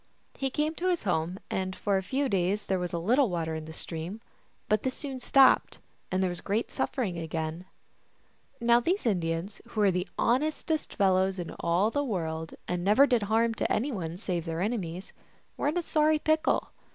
He came to his home, and for a few days there was a little water in the stream ; but this soon stopped, and there was great suffering again. Now these Indians, who were the honestest fellows in all the world, and never did harm to any one save their enemies, were in a sorry pickle.